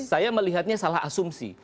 saya melihatnya salah asumsi